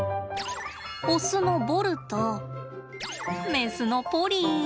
オスのボルとメスのポリー。